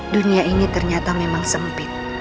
dunia ini ternyata memang sempit